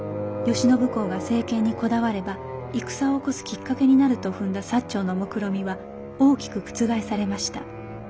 慶喜公が政権にこだわれば戦を起こすきっかけになると踏んだ長のもくろみは大きく覆されました。